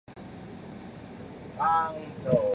鼠男是水木茂在鬼太郎作品中最喜爱的角色。